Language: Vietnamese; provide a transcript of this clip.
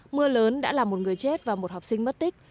mưa lớn đã làm một người chết và một học sinh mất tích